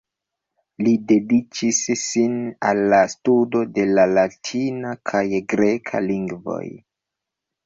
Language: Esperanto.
Li dediĉis sin al la studo de la latina kaj greka lingvoj.